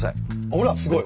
ほらすごい！